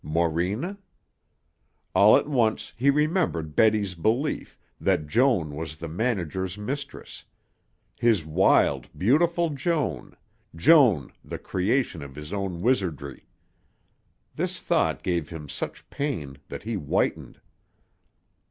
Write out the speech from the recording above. Morena? All at once he remembered Betty's belief, that Joan was the manager's mistress his wild, beautiful Joan, Joan the creation of his own wizardry. This thought gave him such pain that he whitened.